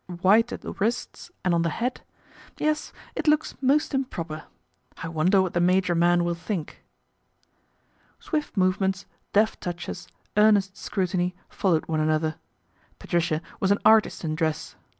" White at the wrists and on the hat, yes, it looks most improper. I wonder what the major man will think ?" Swift movements, deft touches, earnest scrutiny followed one another. Patricia was an artist in dress.